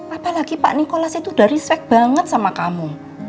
apalagi pak nikolas itu udah respect banget sama kamu